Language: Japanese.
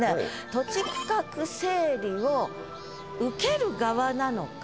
土地区画整理を受ける側なのか？